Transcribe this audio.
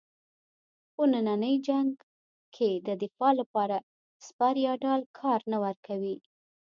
خو نننی جنګ کې د دفاع لپاره سپر یا ډال کار نه ورکوي.